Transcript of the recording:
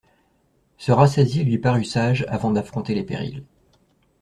Se rassasier lui parut sage avant d'affronter les périls.